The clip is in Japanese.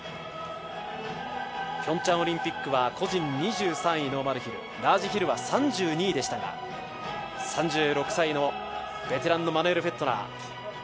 ピョンチャンオリンピックは個人２３位ノーマルヒル、ラージヒルは３２位でしたが、３６歳のベテランのマヌエル・フェットナー